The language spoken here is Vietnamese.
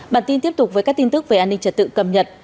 bản tin tiếp tục với các tin tức về an ninh trật tự cầm nhật